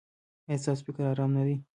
ایا ستاسو فکر ارام نه دی؟